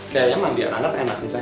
kayaknya mandi alat enak bisa